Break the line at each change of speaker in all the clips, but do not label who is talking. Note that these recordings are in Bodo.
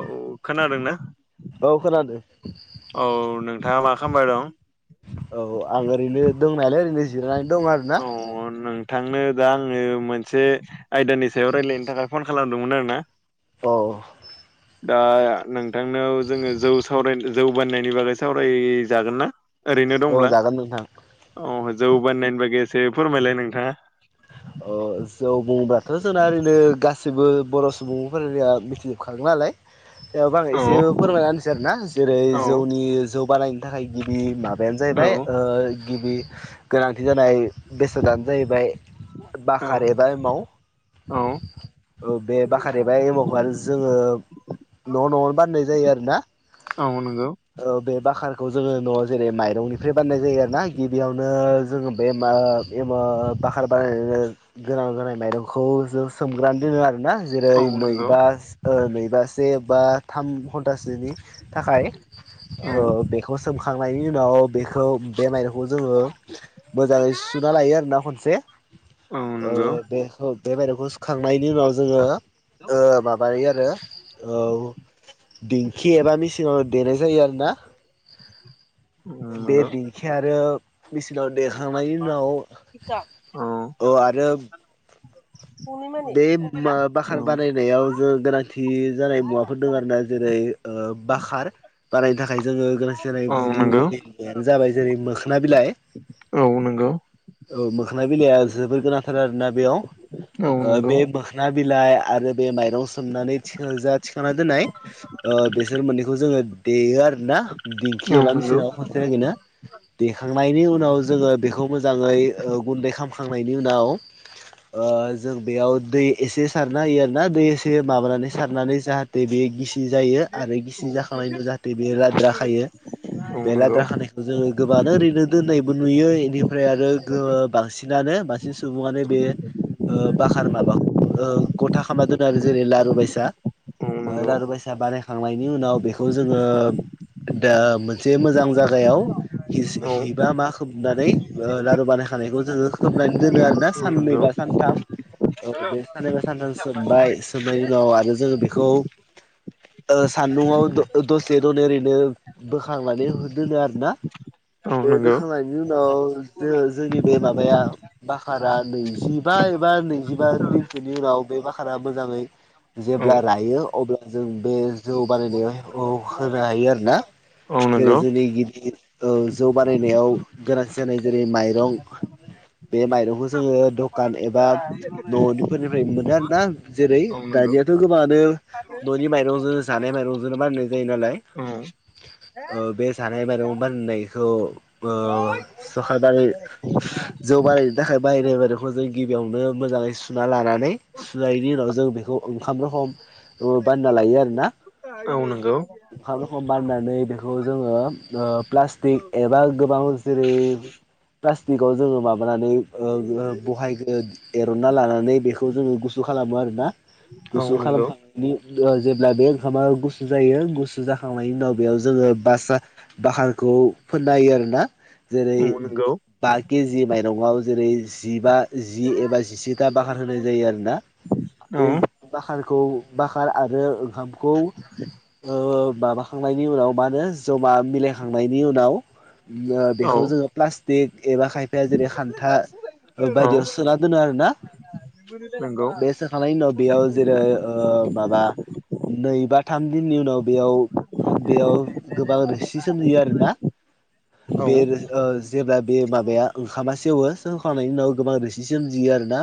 औ खोनादोंना
औ खोनादों
औ औ नों नोंथांङा मा खालामबाय दं?
औ आं ओरैनो दंनायालाय ओरैनो जिरायना
औ अ नों थांनो दा आंङो मोनसे आयदानि सायाव रायलायनो थाखाय फन खालामदोंमोन आरो ना
अ अ
दा नोंथांनाव जोंङो जौ सावराय जौ बानायनायनि बागै सावरायजागोन ना? ओरैनो
औ
दंब्ला
जागोन नोंथां
औ जौ बानायनायनि बागै एसे फोरमायलाय नोंथांङा
अ जौ बुंबाथ' जोंना ओरैनो गासैबो बर' सुबुंफोरनिया मिथिजोबखागोन नालाय थेवबो आं
औ
एसे फोरमायना होनोसै आरो ना जेरै
औ
जौनि जौ बानायनो थाखाय गिबि माबायानो
औ
जाहैबाय ओ गिबि गोनांथि जानाय बेसादानो जाहैबाय बाखार
औ
एबा माव
औ
ओ बे बाखार एबा एमावखौ आरो जोंङो न' न'आवनो बाननाय जायो आरो ना
औ नंगौ
ओ बे बाखारखौ जोंङो न'आव जेरै माइरंनिफ्राय बाननाय जायो आरो ना गिबियावनो जोंङो बेमा बेमा बा बाखार बानायनो गोनांजानाय माइरंखौ जों सोमग्रोनानै दोनो आरो ना
औ
जेरै
नंगौ
नैबा नैबा से बा थाम घन्टा टासोनि थाखाय
औ
ओ बेखौ सोमखांनायनि उनाव बेखौ बे माइरं खौ जोंङो मोजांङै सुना लायो आरोना खनसे
औ
ओ
नंगौ
बेखौ बे माइरंखौ सुखांनायनि उनाव जोंङो ओ माबायो आरो ओ दिंखि एबा मेसिंङाव देनाय जायो आरो ना
औ
बे
नंगौ
देंखि आरो मेचिनाव देखांनायनि उनाव
औ
अ आरो बे मा बाखार बानायनायाव जों गोनांथि जानाय मुवाफोर दों आरोना जेरै ओ बाखार बानायनो थाखाय जोङो गोनांथि जानाय
औ
गिउ
नंगौ
मुयानो जाबाय जेरै मोखोना बिलाइ
औ नंगौ औ
औ मोखोनाय बिलाइआ जोबोर गोनांथार आरोना बेयाव ओ
नंगौ
बे मोखना बिलाइ आरो बे माइरं सोमनानै थि जा थिखांना दोननाय ओ बेसोर मोननैखौ जोङो देयो आरो ना दिंखि
औ
एबा
नंगौ
मेसेनाव खरसे नगोन ना देखांनायनि उनाव जोङो बेखौ मोजाङै गुन्दै खालामखांनायनि उनाव जों बेयाव दै एसे सार सार नायो आरोना दैसे माबानानै सारनानै जाहाथे बेयो गिसि जायो आरो गिसि
औ
जाखांनायनि न' जाहाथे लाद्रा खायो
औ
बे
नंगौ
लाद्रा खानायखौ जोङो गोबाङानो ओरैनो दोननायबो नुयो बेनिफ्राय आरो बांसिनानो बांसिन सुबुङानो बे ओ बाखार माबाखौ गथा खालामना दोनो आरो जेरै लारु बायसा
औ नंगौ
लारु बायसा बानायखांनायनि उनाव बेखौ जोङो। दा मोनसे मोजां जागायाव हिस
औ
हिबा मा खोबनानै लारु बानायखानायखौ जोङो खोबनानै दोनो आरोना
औ नंगौ
साननैबा सान थाम औ बे सानैबा सानथाम सोमबाय सोमनायनि उनाव आरो जोङो बेखौ ओ सान्दुंआव दसे दन ओरैनो बोखांनानै ह दोनो आरो। ना।
औ
बे
नंगौ
दोखांनायनि उनाव ज जोंनि बे माबाया बाकारा नैजि बा एबा नैजिबा दिनसोनि उनाव बे बाखाना मोजाङै
औ
जेब्ला रायो अब्ला जों बे जौ बानायनायाव औ होनो हायो आरो ना
औ
जेरै
नंगौ
जोंनि गिदिर जौ बानायनायाव गोरा जै जेरै माइरं बे माइरंखौ जोङो द
[inaudible]
न'निफोरनिफ्राय मोनो आरोना जेरै
औ नंगौ
दानियाथ' गोबाङानो न'नि माइरंजों जानाय। एम रुजुना बनाय जायो नालाय।
औ।
[inaudible] बे जानाय माइरं बाननायखौ ओ सरखार बार जौ बारानायनो थाखाय बाहायनाय। बेखौ जों गिबियावनो मोजाङै सुना लानानै सुनायनि उनाव जों बेखौ ओंखाम रगम बानायना लायो आरो ना।
नोंगौ।
ओंखाम रखोम बाननानै बेखौ जोङो प्लास्टिक एबा गोबां जेरै प्लास्टिकाव जोङो माबानानै बहायग एरनना लानानै बेखौ जोङो गुसु खालामो आरोना।
औ
गुसु
नंगौ
खालामखांनायनि जेब्ला बे ओंखामा गुसु जायो गुसु जाखांनायनि उनाव बेयाव जोङो। बासा बाकारखौ फोनना होयो आरोना जेरै
औ नंगौ
बा के जि माइरंआव जेरै जिबा जि एबा जिसेथा बाखार होनाय जायो आरोना।
औ
बे बाखारखौ बाखार आरो ओंखामखौ माबाखांनायनि उनाव मा होनो जमा मिलायखांनायनि उनाव
औ
बेखौ जोङो प्लास्टिक एबा खायफाया जेरै खान्था बायदियाव सोना दोनो आरोना
औ नंगौ
बे सोखांनायनि उनाव बेयाव जेरै माबा नै बा थाम दिननि उनाव बेयाव बेयाव गोबां रोसि सोमजियो आरोना।
औ
बे जेब्ला बे माबाया ओंखामा सेवो [unintelligible] नायनि उनाव गोबां रोसि सोमजियो आरो ना।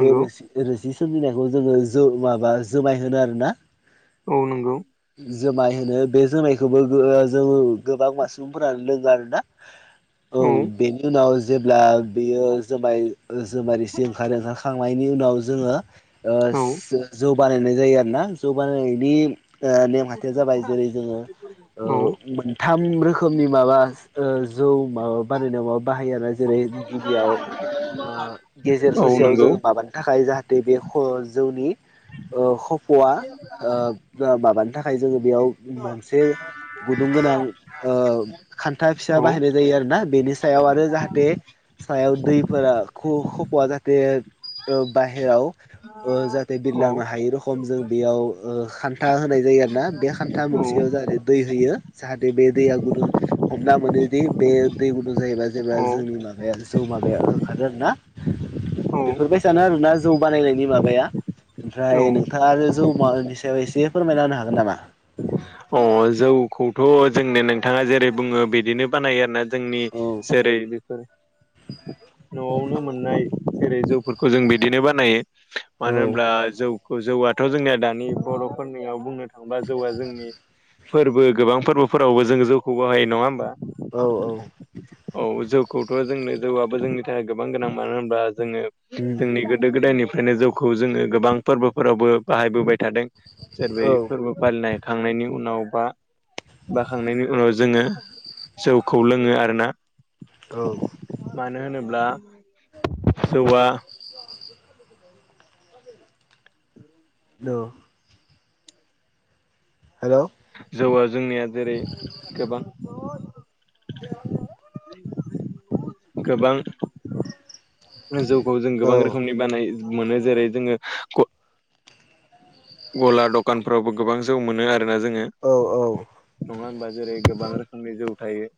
बे रो रोसि सोमजिनायखौ जोङो माबा जुमाय होनो आरोना।
नोंगौ।
जुमाय होनो बे जोमायखौबो जोङो गोबां मा सुबुंफोरानो लोङो आरोना। औ बेनि उनाव जेब्ला बेयो जुमाय जुमायसे ओंखारो ओंखारखांनायनि उनाव जोङो।
औ
जौ बानायनाय जायो आरोोना जौ बानायनायनि नेमखान्थिया जाबाय जेरै जोङो
औ
मोनथाम रोखोमनि माबा जौ माबा बानायनायाव माबा बाहायाना जेरै गिबियाव गेजेर
औ
ससेयाव जोङो
नंगौ
माबानो थाखाय जाहाथे बे जौनि खफआ माबानि थाखाय जोङो बेयाव मोनसे गुदुं गोनां खान्था फिसा बाहायनाय
औ औ
जायो आरोोना बेनि सायाव आरो जाहाथे सायाव दैफोरा ख खफवा जाहाथे ओ बाहेराव ओ जाहाथे बिरलांनो हायै रखम जों बेयाव ओ खान्था होनाय जायो। दै आरोना बे खान्था मोनसेयाव जाहाथे दै होयो जाहाथे बे दैया गुदुं हमना मोनोदि बे बेयो दै गुदुं जायोबा
औ
जेब्ला जोंनि माबाया जौ माबाया ओंखारो आरो ना। बेफोरबायसानो आरोना जौ बानायनायनि माबाया। ओमफ्राय नोंथाङा आरो जौमानि सायाव एसे फोरमायना होनो हागोन नामा?
औ अ जौखौथ जोंनो नोंथाङा जेरै बुङो बिदिनो बानायो आरोना। जोंनि
औ
जेरै न'आवनो मोननाय जेरै जौफोरखौ जों बिदिनो बानायो।
औ
मानो होनोमब्ला जौ जौआथ' जोंनिया दानि बर'फोरनियाव बुंनो थांबा जौआ जोंनि फोरबो गोबां फोरबोफोरावबो जोङो जौखौ बाहायो नङा होमबा।
औ औ
औ जौखौथ जोंनो जौआबो जोंनि थाखाय गोबां गोनां मानो होनबा जोङो
उम
जोंनि गोदो गोदायनिफ्राय फ्रायनो जौखौ जोङो गोबां फोरबोफोरावबो बाहायबोबाय थादों। सोरबा
औ
फोरबो फालिनाय खांनायनि उनाव बा बाखांनायनि उनाव जोङो जौखौ लोङो आरोना।
औ
मानो होनोब्ला जौआ
औ हेलौ
जौआ जोंनिया जेरै गोबां
[unintelligible]
गोबां जौखौ जों
औ
गोबां रोखोमनि बानाय मोनो जेरै जोङो गला दखानफोरावबो गोबां जौ मोनो आरोना जोङो।
औ औ
नङा होमबा? जेरै गोबां रोखोमनि जौ थायो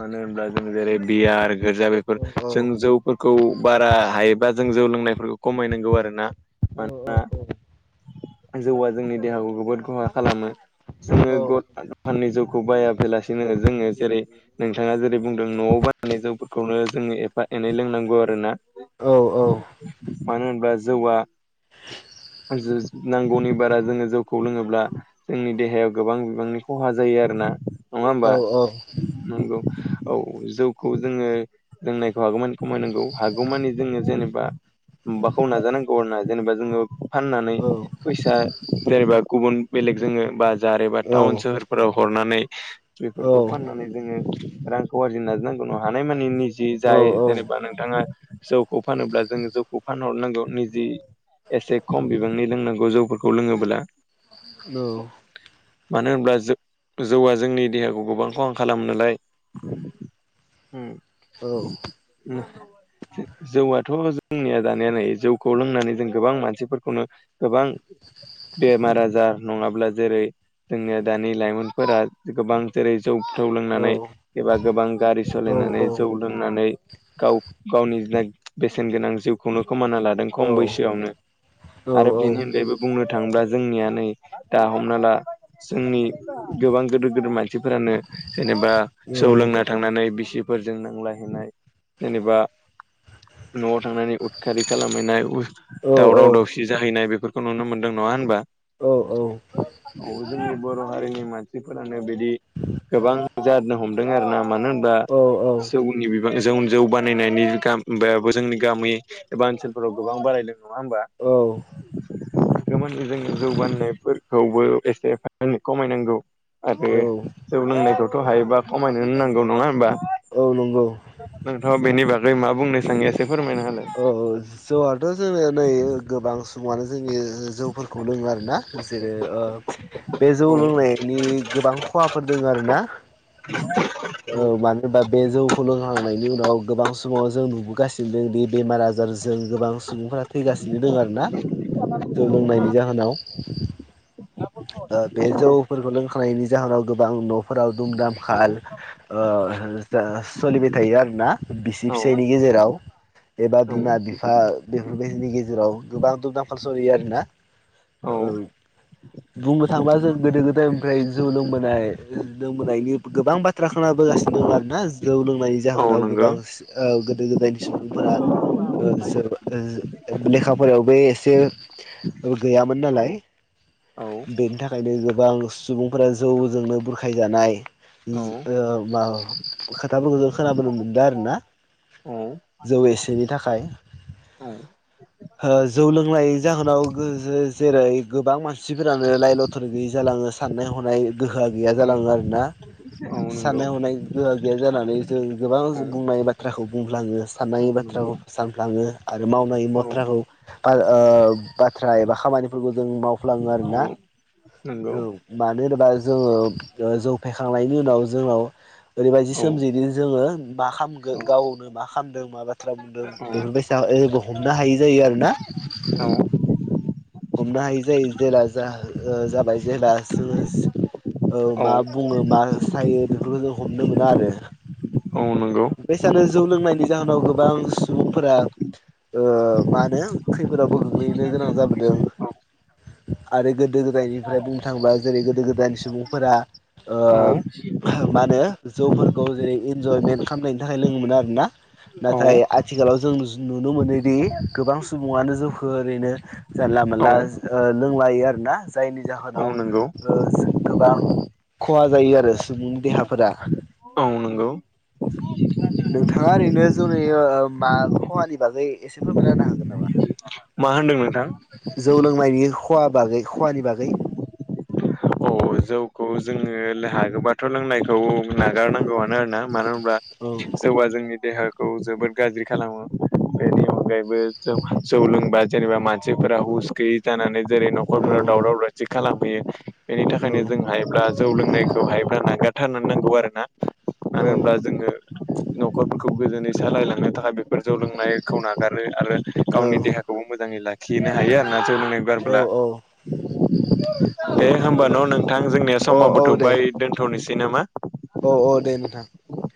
मानो होनब्ला जों जेरै बियार गोजा बेफोर
औ
जों जौफोरखौ बारा हाय। बा जों जौ लोंनायफोरखौ खमायनांगौ आरो ना।
औ औ औ।
जौआ जोंनि देहाखौ जबोद खहा खालामो जोङो
औ
जों ग खौ बायाफैलासिनो जोङो जेरै नोंथाङा जेरै बुंदों नआव बायनानै जौ खौनो जोङो एफा एनै लोंनांगौ आरो ना।
औ औ
मानो होनोबा जौआ जो नांगौनि बारा जोङो जौखौ लोङोब्ला जोंनि देहायाव गोबां बिबांनि खहा जायो आरोना। नङा होमबा
औ
नंगौ औ जौखौ जोङो लोंनायखौ' हागौमानि खमायनांगौ हागौमानि जोङो जेनेबा माबाखौ नाजानांगौ आर ना जेनेबा जोङो। फाननानै फैसा जेनेबा गुबुन बेलेग जोङो बा जार एबा टाउन सोहोरफोराव हरनानै बेफोरखौ फाननानै जोङो रांखौ आरजि नाजानांगौ न' हानाय मानि निजि जाय जेनेबा नोंथाङा जौखौ फानोब्ला जोंङ जौखौ फानहरनांगौ निजि एसे खम बिबांनि लोंनांगौ। गोजौफोरखौ लोङोब्ला
औ
मानो होनब्ला जो जौआ जोंनि देहाखौ गोबां खहा खालामो नलाय।
[inaudible]
उम उम जौआथ' जोंनिया दानायान नै जौखौ लोंनानै जों गोबां मानसिफोरखौनो गोबां बेमार आजार नङाब्ला जेरै जोंनिया दानि लाइमोनफोरा गोबां जेरै जौथौ लोंनानै एबा गोबां गारि सालायनानै जौ लोंनानै गाव गावनिना बेसेन गोनां जिउखौनो खोमाना लादों खम बैसोआवनो। आरो बेनि अनगायैबो बुंनो थाङोब्ला जोंनिया नै दा हमना ला जोंनि गोबां गदोर गोदोर मानसिफोरानो जेनेबा सौ लोंना थांनानै बिसिफोरजों नांलाय हैनाय। जेनेबा न'आव थांनानै उदखारि खालामहैनाय उ दावराव दावसि जाहैनाय बेफोरखौ नुनो मोन्दों नङा होनबा? औ जोंनि बर' हारिनि मानसिफोरानो बिदि गोबां जानो हमदों आरो ना। मानो होनबा जौनि बिबां जौ जौ बानायनायनि जोंनि गामि एबा ओनसोलफोराव गोबां बाराय [unintelligible] नङा होमबा।
[unintelligible]
थागोमोन जोंनि जौगानायफोरखौबो एसे [unintelligible] खमाय नांगौ। आरो
औ औ
जौ लोंनायखौथ' हायोबा खमायन नांगौ नंङा होमबा।
औ नंगौ
नोंथाङा बेनि बागै मा बुंनो सानसै एसे फोरमायना होलाय।
औ जौआथ' जोङो नै गोबां सुबुंआनो जोंनि जौफोरखौ लोङो आरोना। जेरै ओ बे जौ
औ
लोंनायनि गोबां खहाफोर दङ आरो ना। औ मानो होनबा बे जौखौलोंखांनायनि उनाव गोबां समाव जों नुबोगासिनो दं दि बेमार आजारजों गोबां सुबुंफोरा थैगासिनो दोङो आरोना। जों लोंनायनि जाहोनाव। ओ बे जौफोरखौ लोंखानायनि जाहोनाव गोबां न' फोराव दुम
औ
दामखाल ओ हो सोलिबाय थायो आरो ना। बिसि फिसायनि गेजेराव एबा
औ
बिमा बिफा बेफोरबायदिनि गेजेराव गोबां दुमदांखाल सलियो आरोना। ओ बुंनो थाङोबा जों गोदो गोदायनिफ्राय जौ लोंबोनाय लोंबोनायनि गोबां बाथ्रा खोनाबोगासि दं आरोना जौ लोंनायनि
औ
जाहोनाव
नंगौ
गोबां ओ गोदो गोदायनि सुबुंफोरा। ओ जों ओ लेखा फारावबो एसे गैयामोन
औ
नालाय।
औ
बेनि थाखायनो गोबां सुबुंफोरा जौजोंनो बुरखाय जानाय।
औ
जो ओ माबा खोथाफोरखौ जों खोनाबोनो मोनदों आरो ना।
औ
जौ एसेनि थाखाय ओ जौ लोंनाय जाहोनाव गो जो जेरै गोबां मानसिफोरानो लाय लथर गैयि जालाङो। साननाय हनाय गोहोआ गैया
औ
जालाङो आरोना।
औ नंगौ
साननाय हनाय गोहा गैया जानानै जों गोबां
औ
बुंनाय बाथ्राखौ बुंफ्लाङो। साननाय बाथ्रा
नंगौ
खौ सानफ्लाङो। आरो मावनाय
औ
मथ्राखौ बा ओ बाथ्रा एबा खामानि फोरखौ जों मावफ्लाङो
औ
आरोना।
नंगौ
औ मानो होनोबा जौ जौ फैखांनायनि उनाव जोंनाव ओरैबायदि
औ
सोमजिदि जोङो। मा खालाम
औ
गावनो मा खालामदों मा बाथ्रा बुंदों
औ
बेफोरबायसा जेबो हमनो हायि जायो आरोना। हमनो हायि जायो। जेला जा ओ जाबाय जेब्ला जोङो औ
औ
मा बुङो मा सायो बेफोरखौ जों हमनो मोना आरो।
औ नंगौ
बे सानो जौ लोंनायनि जाहोनाव गोबां सुबुंफोरा ओ मानो खैफोदावबो गोग्लैनो गोनां जाबोदों।
औ
आरो गोदो गोदायनिफ्राय बुंनो थाङोबा जेरै गोदो गोदायनि। सुबुंफोरा ओ
औ
मानो जौफोरखौ जेरै इनजयमेन्ट। खामनायनि थाखाय लोङोमोन आरोना। नाथाय आथिखालाव जों नुनो मोनोदि गोबां सुबुङानो जौखो ओरैनो जानला मोनला ओ लोंलायो आरोना जायनि
औ
जाहोनाव
नंगौ
ओ जों गोबां खहा जायो आरो सुबुंनि देहाफोरा।
औ नंगौ
नोंथाङा ओरैनो जौनि ओ मा खहानि बागै एसे फोरमायना होनो हागोन नामा?
मा होनदों नोंथां?
खवा बागै हवानि बागै।
अ जौखौ जोङो लो हागौबाथ' लोंनायखौ नागारनांगौआनो आरोना। मानो होनब्ला
औ
जौआ जोंनि देहाखौ जोबोद गाज्रि खालामो। बेनि अनगायैबो जौ जौ लोंबा जेनेबा मानसिफोरा हुस गैयि जानानै। जेरै
औ
न'खरफोराव दावराव दावसि खालामहैयो बेनि
औ
थाखायनो जों हायोब्ला। जौ लोंनायखौहाय बा नागार थारनांनांगौ आरोना मोनो
औ
होनोब्ला जोङो। न'खरफोरखौ गोजोनै सालायलांनो थाखाय बेफोर जौ लोंनायखौ नागारो। आरो
औ
गावनि देहाखौबो मोजाङै लाखिनो हायो आरोना जौ लोंनाय
औ
गारोब्ला। दे
औ
होमबा न' नोंथां जोंनिया
औ
समावबो थ'बाय दोनथ'नोसै नामा।
औ-औ दे नोंथां।
दे